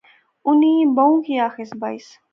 اُنی بہوں کی آخیس بائیس